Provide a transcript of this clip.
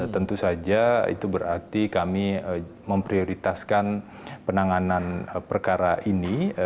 tentu saja itu berarti kami memprioritaskan penanganan perkara ini